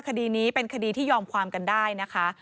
คดีนี้เป็นคดีที่ยอมความกันได้นะคะ